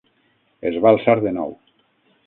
Es va alçar de nou.